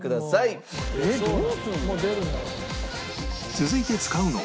続いて使うのは